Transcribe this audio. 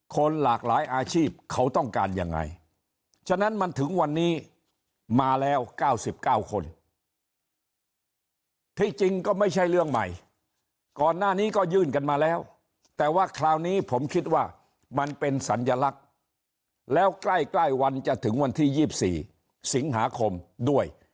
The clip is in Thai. คนหลากหลายอาชีพเขาต้องการยังไงฉะนั้นมันถึงวันนี้มาแล้ว๙๙คนที่จริงก็ไม่ใช่เรื่องใหม่ก่อนหน้านี้ก็ยื่นกันมาแล้วแต่ว่าคราวนี้ผมคิดว่ามันเป็นสัญลักษณ์แล้วใกล้ใกล้วันจะถึงวันที่๒๔สิงหาคมด้วย